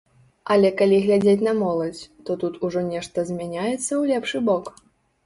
Але калі глядзець на моладзь, то тут ужо нешта змяняецца ў лепшы бок?